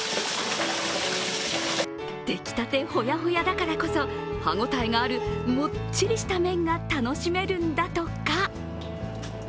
出来たてほやほやだからこそ、歯ごたえがあるもっちりした麺が楽しめるんだとか。